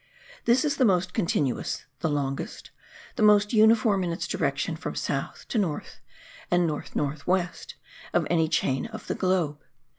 This is the most continuous, the longest, the most uniform in its direction from south to north and north north west, of any chain of the globe.